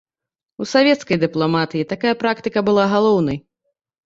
У савецкай дыпламатыі такая практыка была галоўнай.